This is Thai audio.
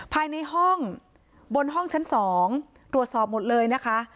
ภายในห้องบนห้องชั้น๒ตรวจสอบหมดเลยนะคะ